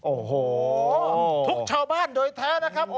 โอ้โหทุกชาวบ้านโดยแท้นะครับ